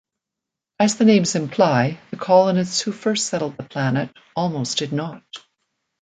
As the names imply, the colonists who first settled the planet almost did not.